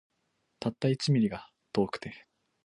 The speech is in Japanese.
たった一ミリが遠くて